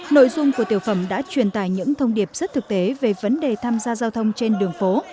nội dung của tiểu phẩm đã truyền tải những thông điệp rất thực tế về vấn đề tham gia giao thông trên đường phố